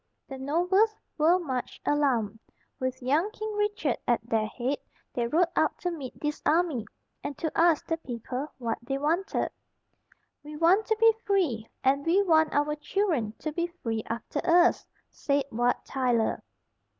The nobles were much alarmed. With young King Richard at their head, they rode out to meet this army, and to ask the people what they wanted. "We want to be free, and we want our children to be free after us," said Wat Tyler.